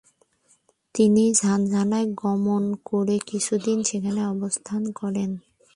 তিনি ঝানঝানায় গমন করে কিছুদিন সেখানে অবস্থান করেন।